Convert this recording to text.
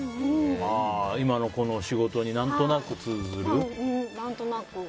今の仕事に何となく通ずる。